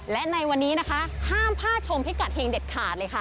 และในวันนี้นะคะห้ามพลาดชมพิกัดเฮงเด็ดขาดเลยค่ะ